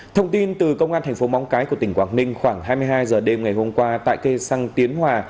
thông tin từ công an thành phố móng cái của tỉnh quảng ninh khoảng hai mươi hai h đêm ngày hôm qua tại cây xăng tiến hòa